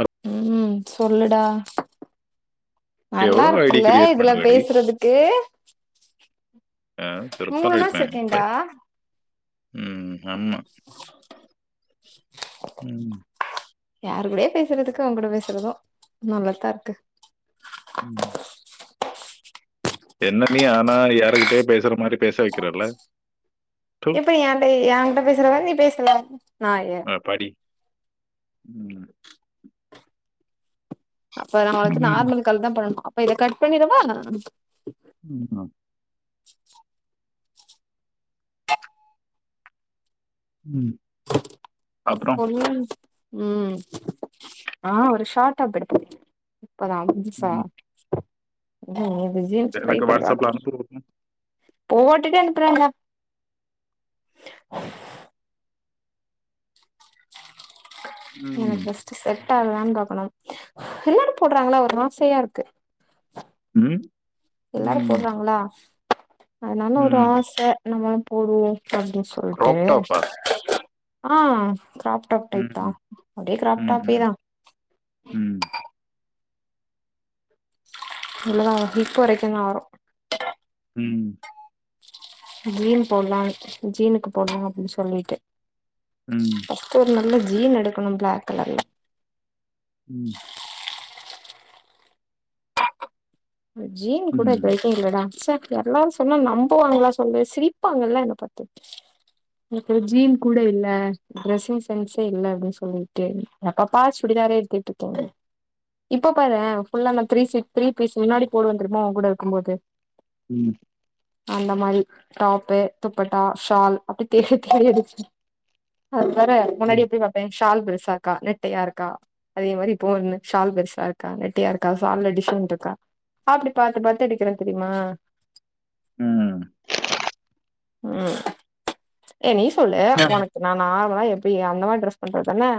அப் ம் சொல்லுடா நல்லா எவ்ளோ ஐடி இருக்குல்ல கிரியேட் இதுல பண்ணுவடி? பேசுறதுக்கு ஆ, செருப்பால மூணுனா அடிப்பேன். செகெண்டா பை ம் ஆமா ம் யாரு கூடயோ பேசுறதுக்கு ஊங்கூட பேசுறது நல்லாத்தா இருக்கு ம் என்ன நீ ஆனா யாருகிட்டயோ பேசுற மாரி பேச வெக்கிறல்ல இப்ப ஏன்ட்ட ஏங்கிட்ட பேசுற மாரி நீ பேசல நாய அ படி. ம் அப்ப நா ஒனக்கு ம். நார்மல் கால் தா பண்ணணு ப இத கட் பண்ணிறவா ம் ம் அப்றொ சொல்லு ம் நா ஒரு ஷாட்டாப் எடுத்துருக்கே ம். [unintelligible] ம் இந்த ஜீன்ஸ் ட்ரை எனக்கு பண்ணி வாட்ஸ்சப்ல பாக்கணு அனுப்பு [inaudible] போட்டுட்டு அனுப்புறண்டா ம் ஃபஸ்ட்டு செட் டாவுதான் பாக்கணு எல்லாரு போட்றாங்கல்ல ஒரு ஆசையா இருக்கு ம் எல்லாரும் ம். போட்றாங்கல்ல அதுனால ஒரு ம். ஆச நம்ம போடுவோ அப்டி சொல்ட்டு கிராப் டாப்பா? ஆ க்ராப் டாப் ம். டைப் தா அதே க்ராப் ம். ம். டாப்பேதா ம். இவ்லதா வரு ஹிப்பு வரைக்கு தா வரு ம் ஜீன் போட்லா ஜீனுக்கு போட்லா அப்டின் சொல்லிட்டு ம். பஸ்ட்டு ஒரு நல்ல ஜீன் எடுக்கனும் ப்ளாக் கலர்ல ம் ஒர் ஜீன் கூட ம். இதுவரைக்கு இல்லடா ச்ச எல்லாரு சொன்னா நம்புவாங்ளா சொல்லு சிரிப்பாங்கல்ல என்ன பாத்து உனக்கொரு ஜீன் கூட இல்ல ட்ரெஸ்ஸிங் சென்ஸே இல்ல அப்டின் சொல்லிட்டு எப்ப பார் சுடிதாரே எடுத்துட்ருக்கேனு இப்போ பாரேன் ஃபுல்லா அந் த்ரீ சீட் த்ரீ பீஸ் முன்னாடி போடுவந்தெரிமா உங் கூட இருக்கும்போது ம் அந்த மாரி டாப்பு துப்பட்டா ஷால் அப்டி தேடி தேடி எடுத் [inaudible] அது வேற முன்னாடி ம். எப்டி பாப்பே ஷால் பெருசா இருக்கா நெட்டையா இருக்கா அதே மாரி இப்போ இந் ஷால் பெருசா இருக்கா நெட்டையா இருக்கா சால்ல டிஷன்ட்ருக்கா அப்டி பாத்து பாத்து எடுக்குறே தெரிமா ம். ம் ஏ நீ சொல்லு யா. உனக்கு நானா அப்பலா எப்டி அந்த மாரி ட்ரெஸ் பண்றத்தானே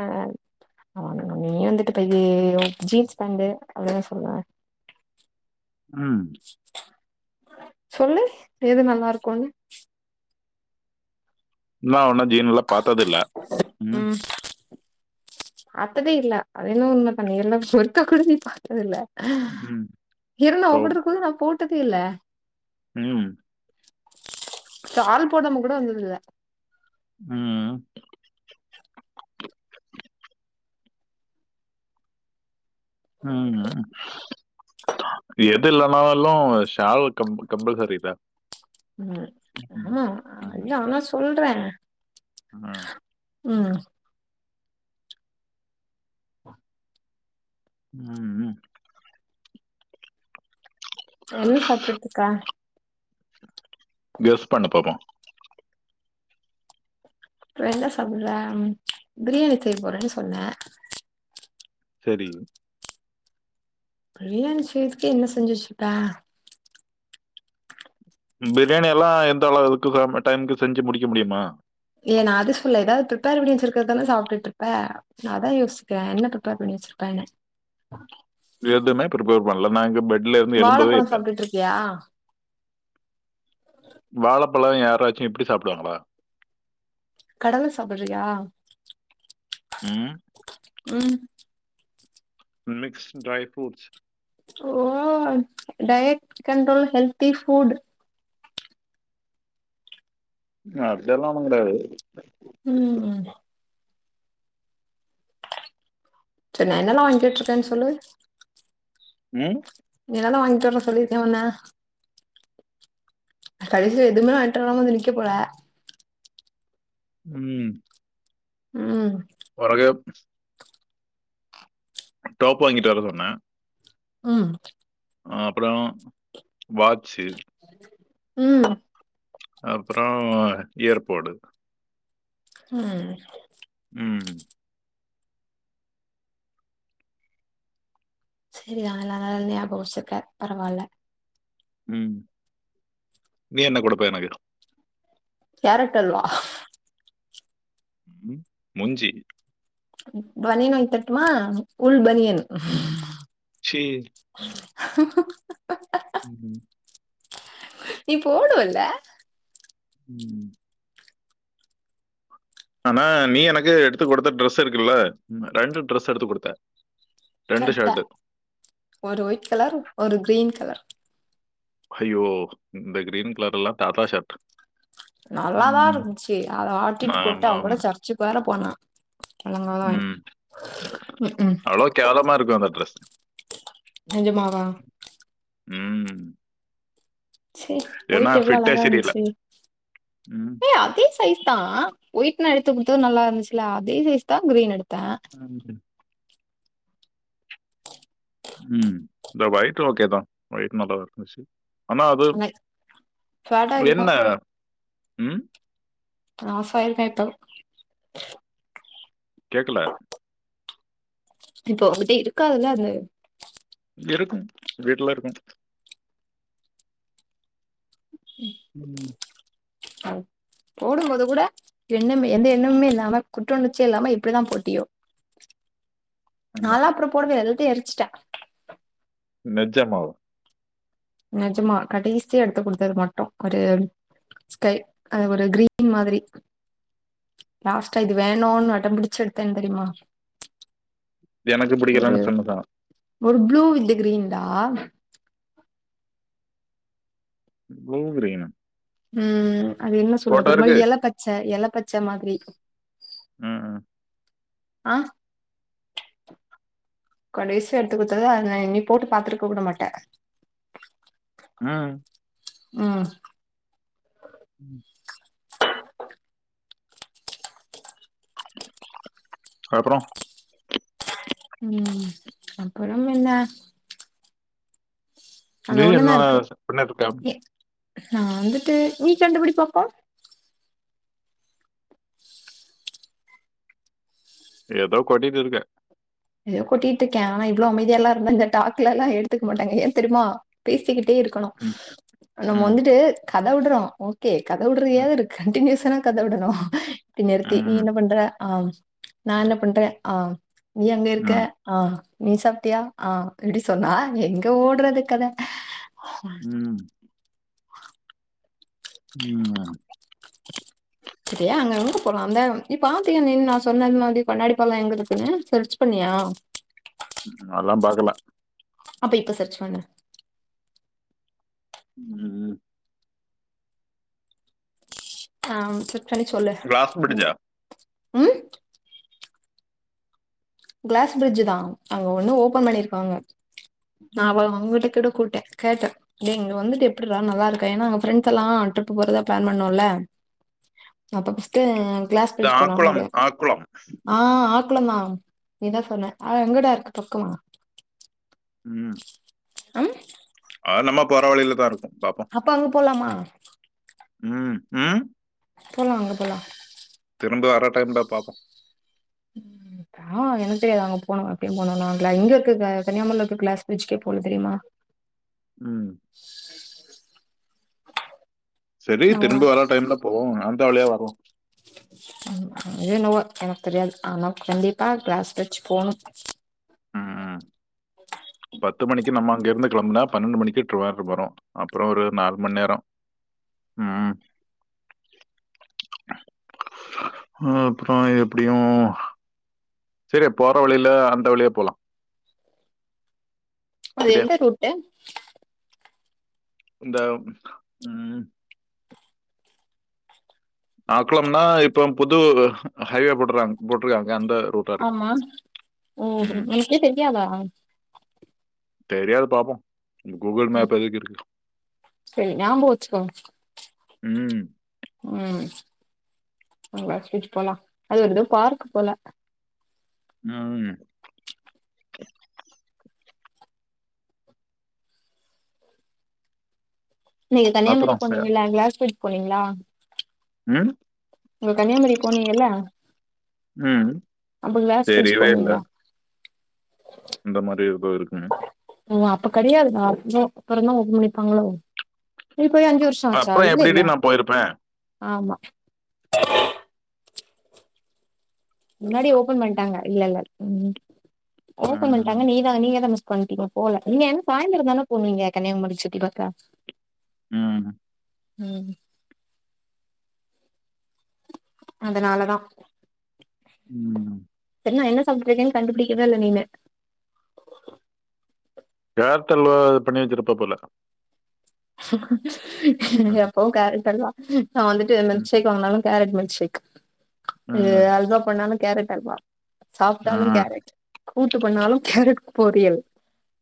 [inaudible] நீ வந்துட்டு [unintelligible] ஜீன்ஸ் பேண்ட்டு [unintelligible] சொல்லுவ ம் சொல்லு எது நல்லா இருக்கோனு நா உன்ன ஜீன்ல பாத்ததில்ல ம் பாத்ததே இல்ல அதென்னோ உண்ம தா நீ வந்து ஒருக்கா கூட நீ பாத்ததில்ல அ ம். இரு நா ஸோ உங்கூடு இருக்மோது நா போட் டதில்ல ம் ஷால் போடாம கூட வந்ததுல்ல ம் ம் எது இல்லன்னாலும் ஷால் கம்பல் கம்பல்சரிதா ம் ஆமா இல்ல ஆனா சொல் றே ஆ ம் ம் ம் என்ன சாப்ட்டுட்ருக்க கெஸ் பண்ணு பாப்போ என்ன சாப்படற பிரியாணி செய்ய போறேன்னு சொன்ன செரி பிரியாணி செய்யறதுக்கு என்ன செஞ்சு வெச்சுருப்ப பிரியாணி எல்லா எந்த அளவுக்கு டைமுக்கு செஞ்சு முடிக்க முடியுமா இல்ல நா அது சொல்லல எதாவது பிரிப்பேர் பண்ணி வெச்சிருக்கறது தான சாப்டுட்ருப்ப நா அதா யோசிச்சிருக்கே என்ன பிரிப்பேர் பண்ணி வெச்சிருப்பேன்னு எதுமே பிரிப்பேர் பண்ல நா எங்க போய் வாழப்பழ சாப்டுட்ருக்கியா வாழப்பழ யாராச்சு இப்டி சாப்டுவாங்களா கடல சாப்படறியா ம் ம் மிக்ஸ்டு டிரை ஃப்ரூட்ஸ் ஓ டயட் கண்ட்ரோல் ஹெல்தி ஃபுட் அதெல்லா ஒன்னு கெடாது ம் இப்ப நா என்னெல்லா அரிஞ்சிட்ருக்கேன்னு சொல்லு ம் நீதான வாங்கிட்டு வர சொல்லிருக்கே ஒண்ண கடைசில எதுமே வாங்கிட் வராம வந்து நிக்க போற ம் ம் பொறகு டோப் வாங்கிட்டு வர சொன்னே ம் அப்புறோ வாட்சு ம் அப்புறோ ஏர்போர்டு ம் ம் சேரி [unintelligible] ஞாபகம் வச்சிருக்க பரவால்ல ம் நீ என்ன குடுப்ப எனக்கு கேரட் அல்வா ம் மூஞ்சி பனின் வாங்கி தரட்டுமா உள் பனியன் ச்சி ம் ம் நீ போடுவல்லா ம் ம் ஆனா நீ எனக்கு எடுத்து குடுத்த ட்ரெஸ் இருக்குல்ல ரெண்டு ட்ரெஸ் எடுத்து குடுத்த சட்ட ஒரு ஒயிட் கலர் ஒரு க்ரீன் கலர் ஹய்யோ இ இந்த க்ரீன் கலர் எல்லா தாத்தா ஷர்ட் நல்லாதா ம் இருந்ச்சி அத ஆட்டிட்டு போட்டு ஆமா அவ கூட ஆமா சர்ச்சுக் வேற போன ம் ம்க்ம். அவ்ளோ கேவ்லமா இருக்கு அந்த ட்ரெஸ் நெஜமாவா? ம் சேரி ஏன்னா ஒயிட்டு எவ்ளோ ஃபிட்டே அழகா சரியில்ல இருந்துச்சி ம் ஏ அதே சைஸ் தா ஒயிட் நா எத்து குத்து நல்லா இந்துச்சுல அதே சைஸ்தா க்ரீன் எடு [inaudible] ம் இந்த ஒய்ட் ஓகேதா ஒய்ட் நல்லா இருந்துச்சு ஆனா அது ஃபேட்டா என்ன இருக்கும். ம் ஆஃபாய்ல் டைப்பு கேக்கல இப்போ உங்கிட்ட இருக்காதில்ல அது இருக்கு வீட்ல இருக்கு ம் போடும்போது கூட எண்ணமே எந்த எண்ணம்மே இல்லாம குற்ற உணர்ச்சியே இல்லாம எப்டிதா போட்டியோ ம் நால்லா அப்றோ போடவே இல் து எரிச்சிட்டே நெஜமாவா நெஜமா கடைசியா எடுத்து குடுத்தது மட்டு ஒரு ஸ்கை அ ஒரு கிரீன் மாதிரி லாஸ்ட்டா இது வேணுனு அடம் பிடிச்சு எடுத்தே தெரியிமா எனக்கு பிடிக்கலனு சொன்னதா ஒரு ப்ளூ வித்து கிரீன்டா ப்ளூ கிரீனு ம் அது என்ன சொல்றது ஒரு மாரி எலப்பச்ச எல பச்ச மாதிரி ம் ம் ஆ கடைசியா எட்த்து குத்தது அத நா இன்னி போட்டு பாத்துருக்க கூட மாட்ட ம் ம் ம் ஆ அப்பறோ ம் அப்பறம் என்ன அந்த நீ என்ன ஒண்ணுதா இருக்கு [inaudible] பண்ணிட்ருக்கே எ நா வந்துட்டு நீ கண்டுபிடி பாப்போ ஏதோ கொட்டிட்டிருக்க எதோ கொட்டிட்ருக்கே ஆனா இவ்ளோ அமைதியா எல்லா இருந்தா இந்த டாக்லல்லா எடுத்துக்க மாட்டாங்க. ஏ தெரிமா? பேசிக்கி ட்டே இருக்கணு ம். நம்ம ம். வந்துட்டு கத விட்றோ ஓ கே கத ம். உட்றயாவது கன்ட்டினியூஸன்னா கத விடணு ப்டி நிறுத்தி நீ ம். என்ன பண்ற ஆம் நா ம். என்ன பண்ற ஆ நீ அங்க இருக்க ம். ஆ நீ சாப்ட்டியா ஆ இப்டி சொன்னா எங்க ஓடறது கத? ம் ம் அ சரி அங்க எங்க போலா அந்த நீ பாத்தியா நீ நா சொன்னது மாரி கண்ணாடி பாலோ எங்க இருக்ன்னு சர்ச் பண்ணியா ம் அதெல்லா பாக்குல அப்ப இப்ப சர்ச் பண்ணு ம் ஆ அனுப் ச்சுடச் சொல்லு கிளாஸ் ம் பிரிட்ஜா? ம் கிளாஸ் பிரிட்ஜ் தா அங்க ஒண்ணு ஓபன் பண்ணிருக்காங்க நா அவ அவங்ககிட்ட கூட கூட்டே கேட்டே டேய் இங்க வந்துட் எப்பட்றா நல்லாருக்கா ஏனா அங்க ஃபிரண்ட்ஸ் எல்லா ட்ரிப் போறதா பிளான் பண்ணோல்ல அப்ப ஃபஸ்ட்டு அ கிளாஸ் இது பிரிட்ஜ் போலான் ஆக்குளம், ஒரு ஆக்குளம். ஆ ஆக் குளந்தா நீதா சொன்ன ஆ எங்கடா இருக்கு பக்கமா ம் ம் அ நம்ம போற வழிலதா இருக்கும் பாப்போம். அப்ப அங்க போலாமா ம். ம் போலா அங்க போலா இங்க வர்ற டைம்ல பாப்போ ஆ எனக்கு தெரியாது அங்க போணு எப்டியு போணு நா கிளா இங்க இருக்க கன்னியாகுமரில இருக்க கிளாஸ் பிரிட்ஜ்க்கே போல தெரிமா? ம் செரி ஆமா. திரும்ப வர்ற டைம்ல போவோ ஆ இந்த வழியா வருவோ எது என்னவோ எனக்கு தெரியாது ஆனா கண்டிப்பா கிளாஸ் பிரிட்ஜ் போணு பத்து மணிக்கு நம்ம அங்க இருந்து கிளம்னா பன்னெண்டு மணிக்கு ட்ருவேன்றம் போறோ அப்புற ஒரு நால் மண் நேரோ ம் அப்புற எப்டியு செரி போற வழில அந்த வழியா போலா அது எந்த ரூட்டு இந்த ம் ஆக்குளம்னா இப்ப புது ஹைவே போட்றாங்க போட்டிருக்காங் ஆமா ஓ ம். உனகே தெரியாதா தெரியாது பாப்போ ம் சரி ஞாபகோ வச்சுக்கோங்க ம். ம் எங்காச்சு போலா அது ஒருதடவ பார்க்கு போல ம் நீங்க கன்னியாகுமரி அப்புறம் ச போனீங்கள அங்க கிளாஸ்பிரிட்ஜ் போனீங்களா ம் நீங்க கன்னியாகுமரி போனீங்கல்ல ம். அப்போ கிளாஸ் பிரிட்ஜ் தெரியவே இல்ல. போனீங்களா இந்த மாதிரி ஏதோ இருக்குன்னு. ஓ அப்ப கெடயாதுண்ணா அப் நோ அப்புறந்தா ஓபன் பண்ணி இருப்பாங்களோ போய் அஞ்சு வர்ஷோ ஆச்சா அப்புறம் எப்படிடி இல்லைல்ல நான் போயிருப்பேன்? ஆமா [unintelligible] முன்னாடி ஓபன் பண்ட்டாங்க இல்ல இல்ல ம் ஓபன் ம். பண்ட்டாங்க நீதான் நீங்கதான் மிஸ் கண்டினியூ போல நீங்க என்ன சாயந்தரோதான போனுவீங்க கன்னியகுமரிய சுத்தி பாக்க ம் ம் அதனாலதா ம் என்னா என்ன சாப்ட்ருக்கேன் கண்டுபிடிக்கவே இல்ல நீணு ஏர்டெல்லு இது பண்ணி வெச்சிருப்பா போல ம். [unintelligible] [inaudible] நா வந்துட்டு ம், மில்க் ஷேக் வாங்குனாலு கேரட் மில்க் ஷேக் ஏ ம், அல்வா பண்ணாலு கேரட் அல்வா சாப்ட்டாலும் ம், கேரட் கூட்டு பண்ணாலும் கேரட்‌ கூ பொறியல்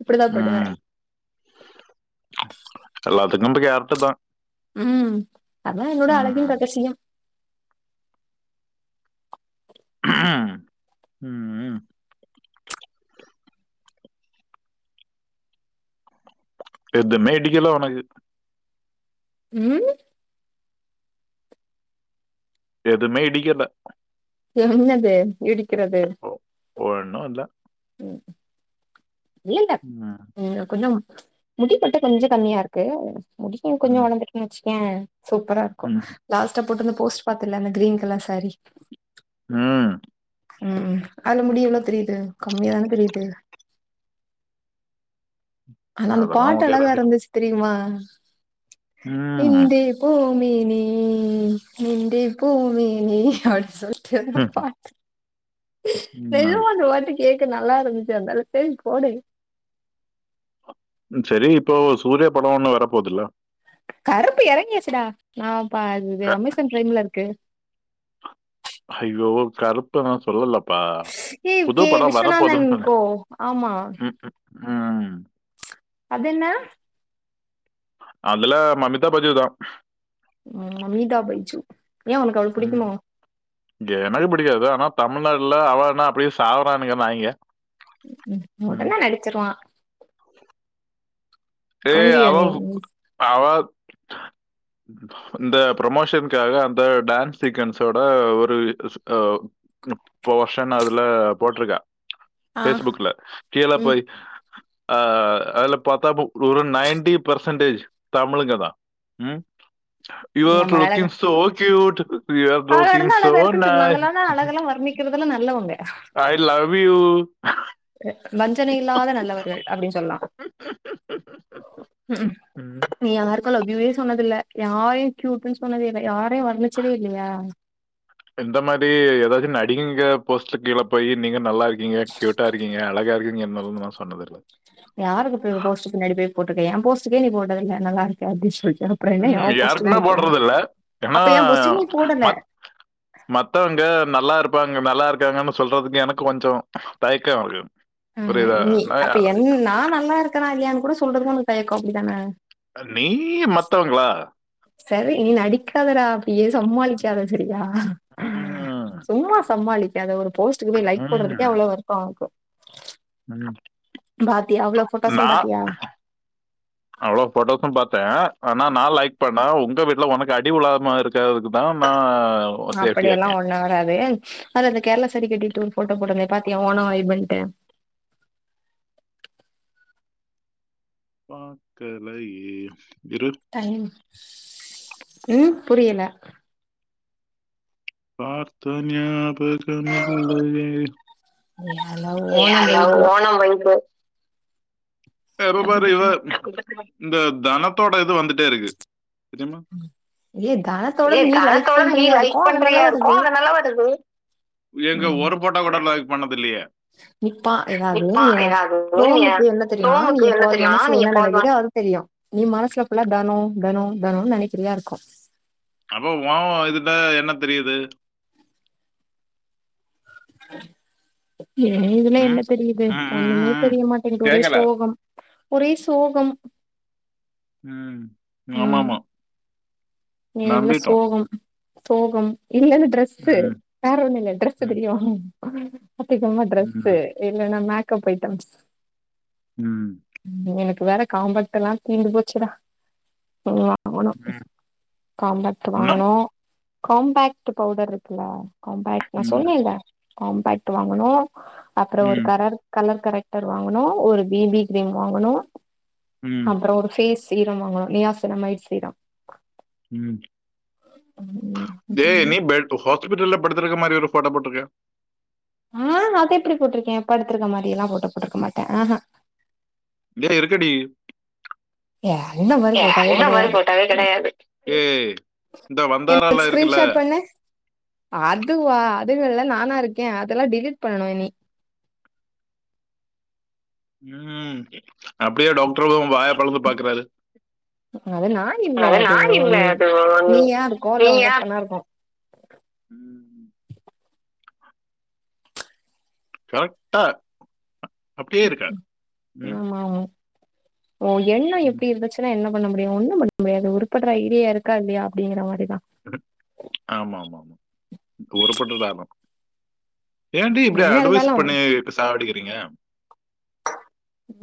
இப்பிடிதான் படுவேன் ம். தின்னம்ப கேர்ட்டு தா ம் அதா என்னோட அழகின் ரகசியம் ம் ம் எதுமே இடிக்கல உனக்கு ம் எதுமே இடிக்கல என்னது இடி க்கறது ஒ- ஒண்ணும் இல்ல ம் இல்லல்ல ம், ஒரு கொஞ்ச முடி மட்டு கொஞ்ச கம்மியாருக்கு முடியு கொஞ்ச ம், வளந்துட்டுன் வெச்சு க்யே சூப்பரா இருக்கு ம், லாஸ்டா போட்ருந்த போஸ்ட் பாத்தேல அந்த கிரீன் கலர் சாரி ம் ம் அதுல முடி எவ்ளோ தெரியுது கம்மியாதானே தெரியுது ஆனா அந்த அதெல்லாம் பாட்டு ஓகே அழகா தாண்டி இருந்துச்சு தெரியுமா அ ம், இந்தே போ மேனே எந்தே பூமேனே அப்படி சொல் ம், பாட்டு ம். நெஜமா அந்த பாட்டு கேக் க்கு நல்லா இருந்துச்சு அந்தால [unintelligible] செரி இப்போ சூரியா படோ ஒண்ணு வர போதுல்ல கருப்பு எறங்கிருச்சுடா நா அப்ப அது க- அமேசான் ப்ரைம்ல இருக்கு அய்யோ கருப்ப நா சொல்லலப் ஸ் ஏ கே விஸ்வநாதன் அண்ட் சொன்னேன் கோ ஆமா ம், ம், ம் அது என்ன அதுல மமிதா பஜு தா ம் மமிதா பைஜூ ஏ உனக்கு அவ்ள ம். பிடிக்குமோ எனக்கு பிடிக்காது ஆனா தமிழ்நாட்டுல அவனா அப்படியே சாவ்றானுங்க நாய்ங்க ம் உடனே நடிச்சிருவா ஏ கொஞ்சியா அவ நீ அவ இந்த ப்ரமோஷனுக்காக அந்த டான்ஸ் சீக்வன்ஸோட ஒரு போர்ஷன் அதுல போட்ருக்கா ஆ ஃபேஸ் புக்ல கீழ ம் போய் ஆ அதுல பாத்தா பூ ஒரு நைன்டி பெர்சன்டேஜ் தமிழுங்க தா ம் என் யுவர் மலையழக லுக்கிங் சோ க்யூட் அழகா இருந்தா அழகா இருக்குன்னு சொல் அங்கலாந்தா அழகெல்லா வர்ணிக்கிறதெல்லா நல்லவங்க ஐ லவ் யூ வஞ்சன இல்லாத நல்லவர்கள் அப்டின்னு சொல்லா நீ யாருக்கு லவ் யூ வே சொன்னதில்ல யாரயு க்யூட்ன்னு சொன்னது இல்ல யார் இந்த மாரி ஏதாச்சு இங்க போஸ்ட்டு கீழ போய் நீங்க நல்லா இருக்கீங்க க்யூட்டா இருக்கீங்க அழகா இருக்கீங்கனு சொல்ணுமா சொன்னது இல்ல யாருக்கு பே போஸ்டுக்கு பின்னடி போட்டுயிருக்க என் போஸ்டுக்கே நீ போட்டதுல்ல நல்லாருக்கே அப்டின்னு சொல் ம் யாருக்குமே போட்றது இல்ல ஏன்னா அப்ப என் போஸ்ட்டுக்கு நீ போடல ம மத்தவங்க நல்லா இருப் பாங்க நல்லா இருக்காங்கன்னு சொல்றதுக்கு எனக்கு கொஞ்சோ தயக்கம் இருக்கு ஆ புரியுதா? நீ நான் அப்ப யா- என் நான் நல்லா இருக்கேனா இல்லையா கூட சொல்றதுக்கு கூட தயக்கம் அப்படிதானே நீ மத்தவங்களா சரி நீ நடிக்காதடா ஏய் சமாளிக்காத சரியா ம், சும்மா சமாளி ஏதே ஒரு போஸ்டுக்கு போயி லைக் போட்ரதுக்கே ம், அவ்வளவு வருத்தம் உனக்கு ம் பாத்தியா அவ்வளவு போட்டோஸையும் நான் பாத்தியா அவ்வளவு போட்டோஸ் சும் பாத்தே ஆனா நான் லைக் பண்ண நான் உங்க வீட்ல உனக்கு அடி உலாமா இருக்கிறதுக்கு தான் நா அப்படியெல்லாம் ஒன்னும் வராது அது அந்த கேரளா சரி கட்டிட்டு ஒரு போட்டோ போட்டு பாத்திய ஓண வாய் பெல்ட் பாக்கலை டைம் ம் புரியல பார்த்த ஞாபகம் இல்லையே ஏல ஓணம் வைபு ஓணம் வைப் அப்டின்னு [unintelligible] இந்த தனத்தோட இது வந்துட்டே இருக்கு தெரியுமா ஏ தனத்தோட ஏய் நீ லைக் தனத்தோடத நீ பண்றியா லைக் இருக்கு பண்றிய அதனால வருது இருக்கும் அதனாலே வருது எங்க ம் ஒரு போட்டே ஒரு நீ பா நிப்பா எதாவதுனியே ஏதாவது நீ குரோமுக்கு என்னத் தெ [unintelligible] நீ குரோமுக்கு என்ன எப்பாது தெரியுமா மனசுல நீ என்ன போதுமான நெனைக்கிறியோ அது தெரியு நீ மனசுல ஃபுல்லா தனொ தனொ தனொன்னு நெனைக்கிறியா இருக்கு அப்போ ஓ இதுல என்னத் தெரியிது ஏ இதுல ம்? என்ன தெரியிது ம், ம், ஒன்னுமே ம், ம். தெரிய மாட்டேங்கு ஒரே கேக்கல சோகம் ஒரே சோகம் ம் ம் ஆமாமா ஏ இதுல சோகம் சோகம் இல்லல்ல ட்ரெஸ்ஸு ம், வேற ஒன்னு இல்ல ட்ரெஸ்ஸு ம், தெரியு ஒருவேள இது த்திக்குமா டிரெஸ்ஸு ம், இல்லேனா மே கப்பயிட்டம்ஸ் ம், ம் எனக் வேற காம்பெக்ட்டெல்லா தீந்து போச்சுடா போல அவனு ம். காம்பெக்ட்டு என்ன? வாங்கனு காம்பேக்ட்டு பவுடர்ருக்குல காம்பேக்ட் நா ம், சொன்னேல்ல காம்பேக்ட்டு வாங்கணு அப்றோ ஒரு ம், கரர் கலர் கரெக்ட் டர் வாங்கணு ஒரு பிபி கிரீம் வாங்கணு ம், அப்புற ஒரு ஃபேஸ் தீராமங்கலம் [unintelligible] ம் ம் டே நீ பெட் ஹாஸ்பிட்டல்ல படுத்துருக்க மாரி ஒரு போட்டோ போட் ஒகே ஆ அத எப்டி போட்ருக்கே படுத்திருக்க மாரில்லா ஃபோட்டோ போட்ருக்க மாட்டே ஆ ஹ இரு இருக்குடி ஏ அந்தமாரி போட்டாவே கெடையாது போட்டாவே கெடையாது. ஏய் இந்த என் வந்தாரால ஸ்க்ரீன் இருக்குல்ல ஷாட் பண்ணு அதுவ்வா அதுங்கள்ள நானாருக்கே அதெல்லா டெலிட் பண்ணனு நீ ம் அப்டி யே டாக்ட்ரு ஒன் வாய போலந்து பாக்குறாரு அது நா இல்ல அது [inaudible] நீ நீயா இருக்கு இல்ல உங்க அப்பனா இருக்கு ம் கரெக்டா அப்படியே ம் இருக்க ம் ம். ஆமா ஆமா ஓ எண்ணம் ம். எப்டி இருந்துச்சுன்னா என்னம் பன்ன முடியு ஒண்ணும் பன்னமுடியாது உருப்படுற ஐடியா இருக்கா இல்லையா அப்டிங்கற மாதி [unintelligible] ஆமா ஆமா தூறப்பட்டுதாகு ஏண்டி இப்பிடி என்ன அட்டுவைஸ் இருந்தாலு பண்ணி சாவ் அடிக்கி வீங்க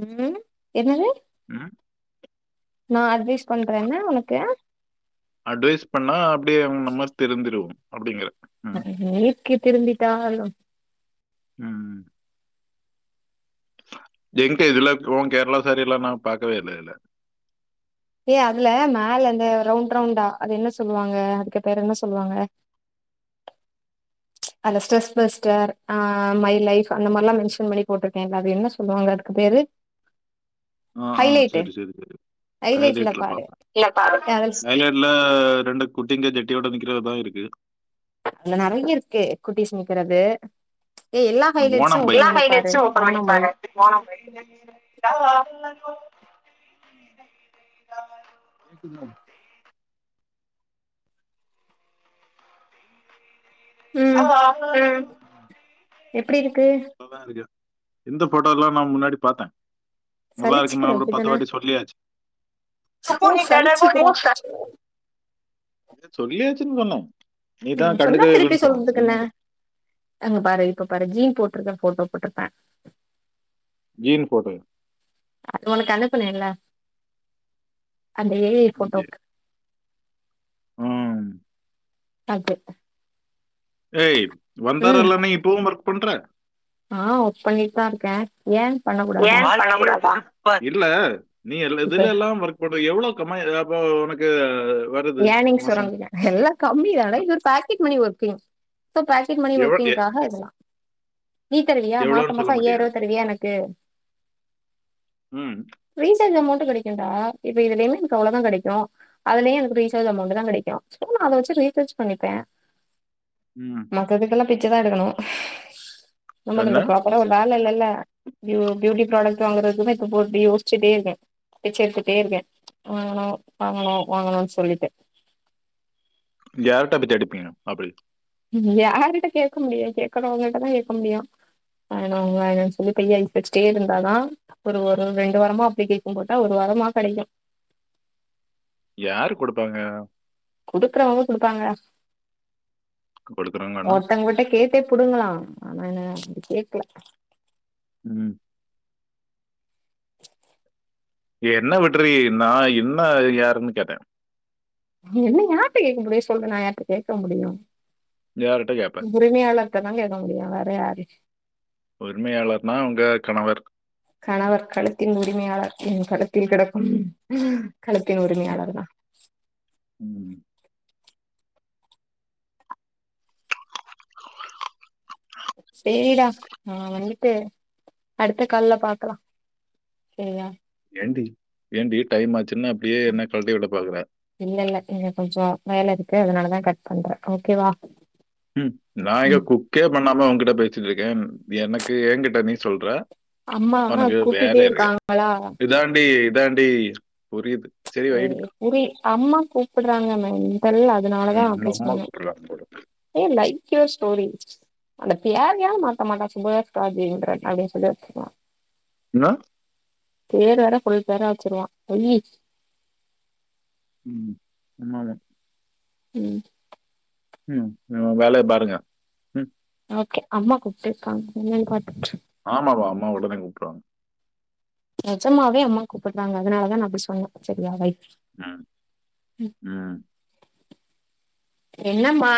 ம் என்னது ம் நா அட்வெய்ஷ் பண்றேன்ன உனக்கு அட்வைஸ் பண்ணா அப்டே ம் உன்னை மாரி திரிந்திரூவோம் அப்டிங்கற அது ஏக்கே திருந்திடாலு ம் ம் எங்க இதுல க்ரோன் கேரளா சேரி எல்லா நா பாக்கவே இல்லைல ஏ அதுல மேல அந்த ரவுண்ரவுண்டா அது என்ன சொல்லுவாங்க அதுக்குபேரு என்ன சொல்வாங்க அந்த ஸ்ட்ரெஸ் பஸ்டர் ஆ மை லைஃப் அந்த மார்லா மென்சன் பண்ணி போட்ருக்கேன்ல அத என்ன சொல்வாங்க அதுக்கு பேரு ஆ ஆ ஹைலைட்டு செரி செரி செரி ஹைலைட்ல பாப்ப இல்லப்பா அது அதுல ஹைலைட்ல ரெண்டு குட்டிங்க ஜட்டியோட நிக்கறதுதா இருக்கு அது நெறையா இருக்கு குட்டிஸ் நிக்கறது ஓணம்வழி எல்லா ஹைலைட்ஸு ஓபன் பண்ணி ஓனமல் பாரு ஓணம் வழி கேக்குதா ம் எப்பிடி இருக்கு இருக்கு இந்த ஃபோட்டோக் எல்லா நா முன்னாடி பாத்த நல்லா இருக்குனா சலிச்சுக்கிற ஒரு பத்து அப்டிதான வாட்டி சொல்லியாச்சு அப்போ ஓ நீ தெனமு சலிச்சுக்கிற [unintelligible] சொல்லியாச் திங் பண்ணோ ம் சொன்னா திருப்பி சொல்றதுக்கென்ன அங்க பாரு இப்ப பாரு ஜீன் போட் றத ஃபோட்டோ போட்ருப்ப ஜீன் போட்டு அது உனக்கு அனுப்புன இல்ல அந்த ஏ ஐ ஃபோட்டோக்கு ம் அது ஏய் வந்தாரா ம் இல்லைன்னு இப்பவும் ஒர்க் பண்ற ஆ ஒர்க் பண்ணிட்டு தா இருக்க ஏ ஏன் பண்ண கூடாதா இல்ல நீ இப்ப எதுலெதுலலா ஒர்க் பண் ப்ப எவ்ளோ கமா த அப்ப உனக்கு வருது ஏ நீங்க சொல்ல மாசம் மாட்டிங்க எல்லா கம்மிதான இது ஒரு packet money working pay pocket money எவ்வளவு எ- ஒர்க்கிங்காக இதெலா நீ தருவியா மாச எவ்வளவுன்னு மாச சொல்ல மாட்டியா ஐயாயிருவா தருவியா எனக்கு ம் ரீசார்ஜ் அமௌண்ட் கெடைக்குன்டா இப்ப இதுலயுமே எனக்கு அவ்ளதா கெடைக்கு அதுலயே இந் ரீசார்ஜ் அமௌண்ட் தா கெடைக்கு நா அத வச்சு ரீசார்ஜ் பண்ணிப்பே ம் மத்ததுக்கெல்லா பிச்சதா எடுக்கணு என்ன நம்மன்றது பிராப்பரா வேலையில்ல ல ல இது பியூட்டி ப்ராடக்ட் வாங்குறதுக்கு இப்ப யோசிச்சுட்டே இருக்க பிச்ச எடுத்துட்டே இருக்கே வாங்கனு வாங்கனு வாங்கனு ஒரிகிட்ட யார் டப்பு தெடிபீங் அப்டின் யாரிட்ட கேட்க முடியு கேட்கறவங்கிட்டதா கேட்க முடியு ஆன அவ்ங்க அத சொல்லி கைய சச்சிட்டே இருந்தா ஒரு ஒரு ரெண்டு வாரமா அப்டி கேட்குபோதா ஒரு வரமா கெடைக்கு யாரு குடுப்பாங்க குடுக்குறவங்க குடுப்பாங்க கொடுக்குறாங்கன்னா ஒருத்தங்கட்ட கேட்டே புடுங்களலா ஆனா என்ன அப்டி கேக்கல உம் என்ன விட்றி நா என்ன யாருன்னு கேட்ட என்ன யாருட்ட கேட்க முடியு சொல்லு நா யார்ட்ட கேட்க முடியு யார்கிட்ட கேப்ப இததா கேட்க முடியு வேற யாரு உரிமையாளர்னா உங்க கணவர் கணவர் கழுத்தின் உரிமையாளர் கழுத்தில் கெடக்கு கழுத்தின் ம், உரிமையாளர் தா ம். ஆஹ் வந்துட்டு அடுத்த கால்ல பாக்கலா செரியா ஏண்டி ஏண்டி டைம் ஆச் சின்ன அப்டியே என்ன கல்ட்டி விட பாக்குற வேல இருக்கு அதனாலதா கட் பண்றே ஓகேவா ம் நான் எங்க குக்கே பண்ணாம உ ங்கிட்ட பேசிட்டு இருக்கேன் எனக்கு என்கிட்ட நீ சொல்ற அம்மா உனக்கு கூப்பிடுட்டே வேலை இருக்கா இருக்காங்களா இதாண்டி இதாண்டி புரியுது சரி ஏ வைடி புரி அம்மா கூப்புறாங்க மேன் டல் அதுனாலதா ம், இல்ல, அப்டி அம்மா சொன்னே கூப்பிடுறாங்க போல ஏ லைக் யுவர் ஸ்டோரி அந்த பெரயாரும் மாத்த மாட்டான் சுபாஷ் ராஜீந்திரன் அப்டின்னு சொல்லி வச்சுக்குவான் என்ன பெர வேற ஃபுல் பெரா வச்சருவா வையி உம் ம்மாதா உம் உம் உவேலைய பாருங்க உம் ஓகே அம்மா கூப்ட்டேருக்காங்க [unintelligible] ஆமாவ அம்மா ஒடனே கூப்றாங்க நஜமாவே அம்மா கூப்புறாங்க அதனால தா அப்டி சொன்னே செரியா வை ம் உம் என்னம்மா